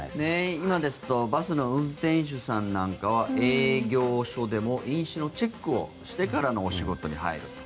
今ですとバスの運転手さんなんかは営業所でも飲酒のチェックをしてからお仕事に入る。